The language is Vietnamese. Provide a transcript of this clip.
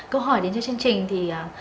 câu hỏi đến cho chương trình